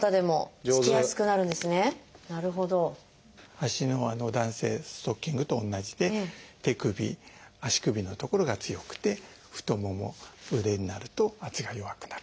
足の弾性ストッキングと同じで手首足首の所が強くて太もも腕になると圧が弱くなる。